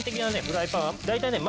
フライパンは大体ね